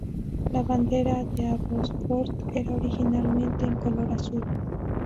La bandera de Abbotsford era originalmente en color azul.